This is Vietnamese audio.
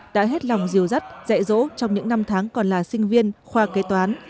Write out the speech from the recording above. đã hết lòng diều dắt dạy dỗ trong những năm tháng còn là sinh viên khoa kế toán